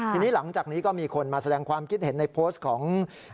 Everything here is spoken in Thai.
ทีนี้หลังจากนี้ก็มีคนมาแสดงความคิดเห็นในโพสต์ของ